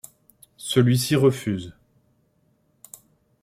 Celui-ci refuse.